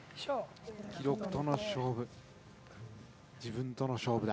記録との勝負